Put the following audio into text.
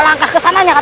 tio aku berantai antai